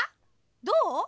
どう？